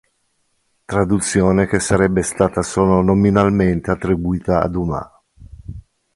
Traduzione che sarebbe stata solo nominalmente attribuita a Dumas.